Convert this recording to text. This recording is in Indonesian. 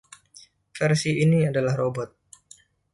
Versi ini adalah robot.